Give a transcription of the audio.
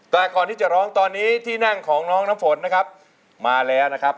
แต่ก่อนที่จะร้องตอนนี้ที่นั่งของน้องน้ำฝนนะครับมาแล้วนะครับ